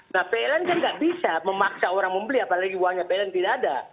nah pln kan nggak bisa memaksa orang membeli apalagi uangnya pln tidak ada